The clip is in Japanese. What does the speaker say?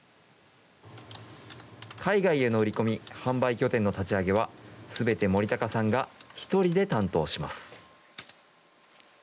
海外への売り込み、販売拠点の立ち上げは、すべて森高さんが１人で担当します。